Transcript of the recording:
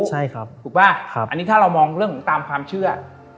ใช่ครับถูกป่ะอันนี้ถ้าเรามองเรื่องของตามความเชื่อ